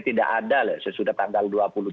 tidak ada loh sesudah tanggal dua puluh tiga